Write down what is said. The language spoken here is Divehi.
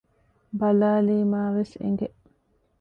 ބަލާލީމައިވެސް އެނގެ